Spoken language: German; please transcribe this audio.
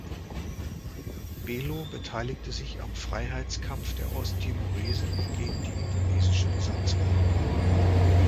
Belo beteiligte sich am Freiheitskampf der Osttimoresen gegen die indonesische Besatzung.